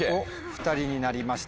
２人になりました。